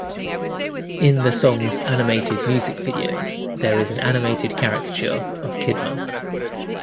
In the song's animated music video, there is an animated caricature of Kidman.